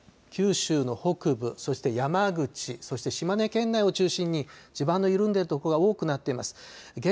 現在、九州の北部そして山口そして島根県内を中心に地盤の緩んでいる所が多くなっています。